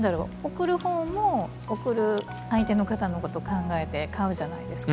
贈るほうも贈る相手の方のこと考えて買うじゃないですか。